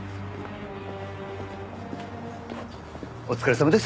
お疲れさまです。